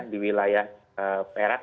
di wilayah perak